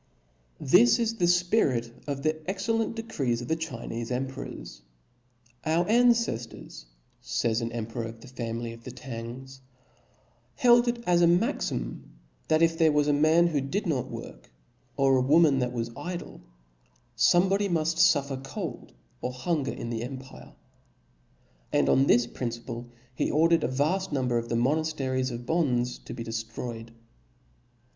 This is the fpirit of the excellent decrees of the Chinefe emperors. " Our anceftors^ fays an emper (Oinan "or of the family of the Tangs (*"), held it as $ quotcd"b^^' w^xim, that if there was a nuin who did not work, Father Du<* or a wQvnan that was idUy fomebody muftfuffer tom/a.p. c(>ld or hunger in the empire*^ And on this priii* ^97* ciple he ordered a vaft number pf the mooafteries of Bonzes to be deftroyed.